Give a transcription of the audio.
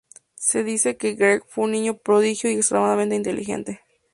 Se dice que Greg fue un niño prodigio y extremadamente inteligente.